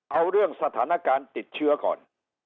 เอาเรื่องสถานการณ์ติดเชื้อก่อน